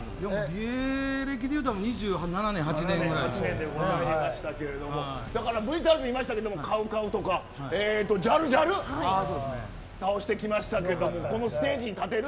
芸歴でいったらＶＴＲ見ましたけどＣＯＷＣＯＷとかジャルジャル倒してきましたけどもこのステージに立てる。